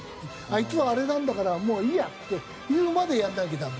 あいつはあれなんだからもういいや」って言うまでやらなきゃダメ。